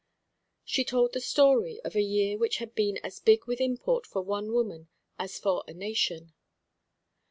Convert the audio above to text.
She told the story of a year which had been as big with import for one woman as for a nation.